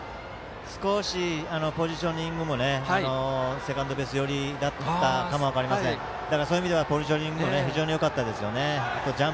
少しポジショニングもセカンドベース寄りだったかもしれませんのでポジショニングも非常によかったです。